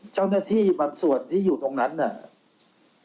เจ้าหน้าที่บางส่วนที่อยู่ตรงนั้นน่ะ